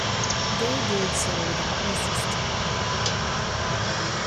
They did so without resisting.